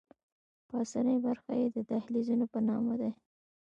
پاسنۍ برخې یې د دهلیزونو په نامه دي.